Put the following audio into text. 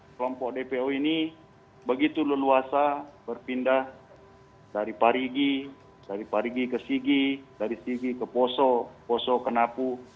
kelompok dpo ini begitu leluasa berpindah dari parigi dari parigi ke sigi dari sigi ke poso poso ke napu